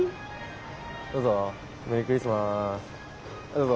どうぞ。